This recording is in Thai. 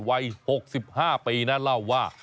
วัย๖๕ปีนะเล่าว่า